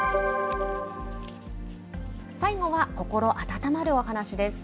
最後は心温まるお話です。